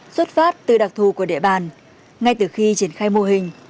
xuất phát từ đặc thù của địa bàn ngay từ khi triển khai mô hình